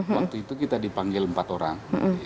waktu itu kita dipanggil empat orang